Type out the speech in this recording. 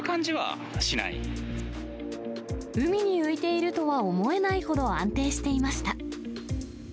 海に浮いているとは思えないほど安定していました。